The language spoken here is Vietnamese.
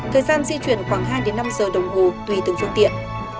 thời gian di chuyển khoảng hai năm giờ đồng hồ tùy từng phương tiện